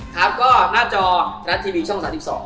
ครับก็หน้าจอรัดทีวีช่องศาสตร์ที่สอง